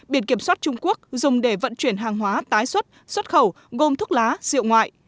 biển kiểm soát trung quốc dùng để vận chuyển hàng hóa tái xuất xuất khẩu gồm thuốc lá rượu ngoại